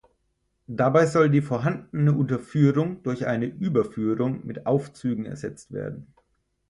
Dabei soll die vorhandene Unterführung durch eine Überführung mit Aufzügen ersetzt werden.